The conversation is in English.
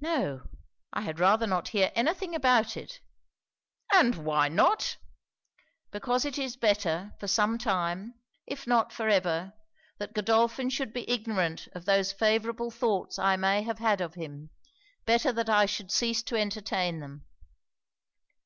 'No I had rather not hear any thing about it.' 'And why not?' 'Because it is better, for some time, if not for ever, that Godolphin should be ignorant of those favourable thoughts I may have had of him better that I should cease to entertain them.'